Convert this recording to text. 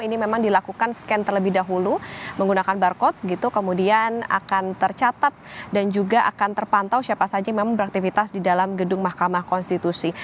ini memang dilakukan scan terlebih dahulu menggunakan barcode gitu kemudian akan tercatat dan juga akan terpantau siapa saja yang memang beraktivitas di dalam gedung mahkamah konstitusi